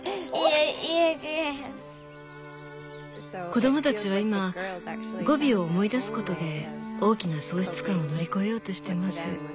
子供たちは今ゴビを思い出すことで大きな喪失感を乗り越えようとしています。